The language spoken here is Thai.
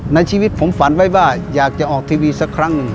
ในชีวิตผมฝันไว้ว่าอยากจะออกทีวีสักครั้งหนึ่ง